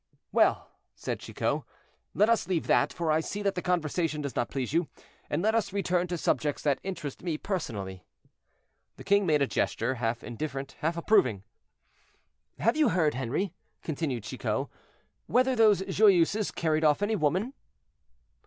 "Well!" said Chicot, "let us leave that, for I see that the conversation does not please you, and let us return to subjects that interest me personally." The king made a gesture, half indifferent, half approving. "Have you heard, Henri," continued Chicot, "whether those Joyeuses carried off any woman?"